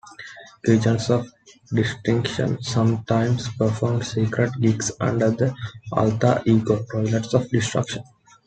Kitchens of Distinction sometimes performed "secret" gigs under the alter ego Toilets of Destruction.